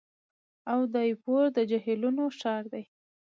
اودایپور د جهیلونو ښار دی.